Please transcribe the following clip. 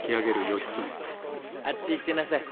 あっち行ってなさい。